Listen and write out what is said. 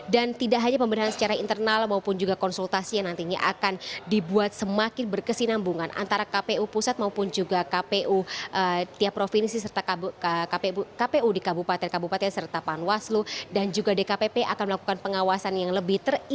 dan tidak hanya pemberian secara internal maupun juga konsultasi yang nantinya akan dibuat semakin berkesinambungan antara kpu pusat maupun juga kpu tiap provinsi serta kpu di kabupaten kabupaten serta panwaslu dan juga dkpp akan melakukan pengawasan yang lebih terik